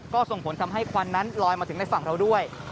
ก็ส่งผลทำให้ควันนั้นลอยมาถึงในฝั่งเราด้วย